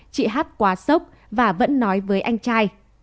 chị hát quá sốc và vẫn nói với anh trai